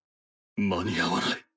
間に合わない。